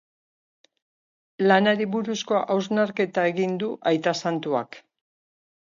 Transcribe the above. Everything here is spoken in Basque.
Lanari buruzko hausnarketa egin du aita santuak.